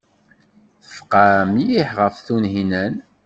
Tfeqɛeḍ mliḥ ɣef Tunhinan.